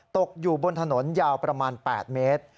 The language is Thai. ตกอยู่บนถนนยาวประมาณ๘เมตร